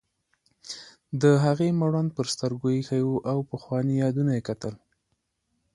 د هغې مړوند پر سترګو ایښی و او پخواني یادونه یې کتل.